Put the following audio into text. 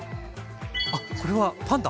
あっこれはパンダ？